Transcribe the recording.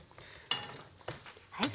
はい。